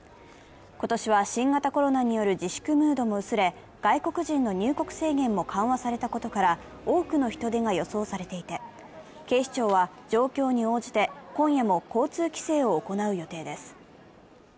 今年は新型コロナによる自粛ムードも薄れ、外国人の入国制限も緩和されたことから多くの人出が予想されていて、警視庁は状況に応じて、今夜も交通規制を行う予定です。